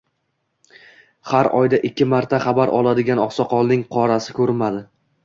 Har oyda ikki marta xabar oladigan oqsoqolning qorasi koʻrinmadi.